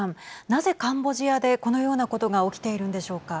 なぜ、カンボジアでこのようなことが起きているんでしょうか。